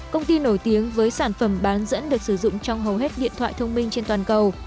công ty nổi tiếng với sản phẩm bán dẫn được sử dụng trong hầu hết điện thoại thông minh trên toàn cầu